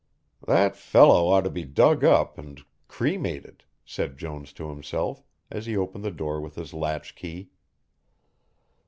"That fellow ought to be dug up and cremated," said Jones to himself as he opened the door with his latch key.